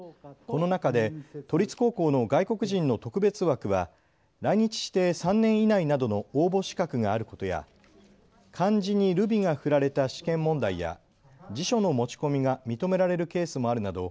この中で都立高校の外国人の特別枠は来日して３年以内などの応募資格があることや漢字にルビが振られた試験問題や辞書の持ち込みが認められるケースもあるなど